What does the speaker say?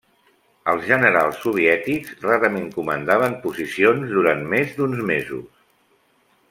Els generals soviètics rarament comandaven posicions durant més d'uns mesos.